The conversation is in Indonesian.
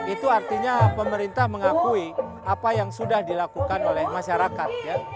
itu artinya pemerintah mengakui apa yang sudah dilakukan oleh masyarakat